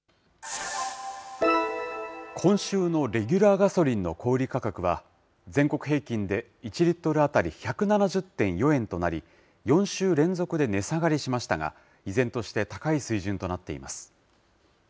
今週のレギュラーガソリンの小売り価格は、全国平均で１リットル当たり１７０．４円となり、４週連続で値下がりしましたが、依然として高い水準となっています。